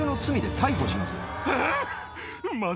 えっ⁉